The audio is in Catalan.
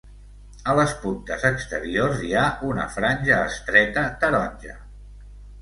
A les puntes exteriors hi ha una franja estreta taronja.